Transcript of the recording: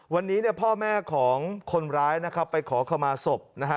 วันนี้เนี่ยพ่อแม่ของคนร้ายนะครับไปขอขมาศพนะฮะ